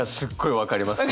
分かります？